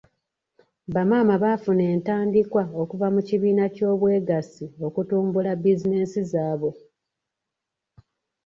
Bamaama baafuna entandikwa okuva mu kibiina ky'obwegassi okutumbula bizinensi zaabwe.